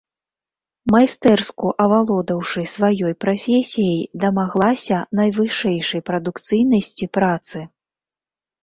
Майстэрску авалодаўшы сваёй прафесіяй, дамаглася найвышэйшай прадукцыйнасці працы.